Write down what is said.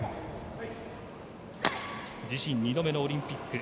自身２度目のオリンピック。